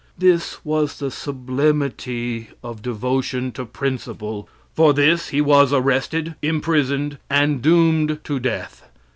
This was the sublimity of devotion to principle. For this he was arrested, imprisoned, and doomed to death.